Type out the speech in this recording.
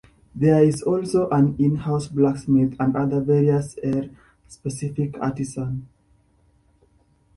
There is also an in-house blacksmith and other various era-specific artisans.